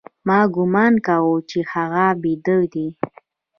ما گومان کاوه چې هغه بيده دى.